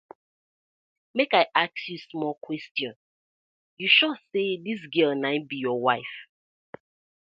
Mek I ask yu small question, yu sure say dis gal na im be yur wife?